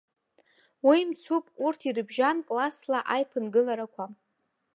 Уи мцуп, урҭ ирыбжьан классла аиԥынгыларақәа.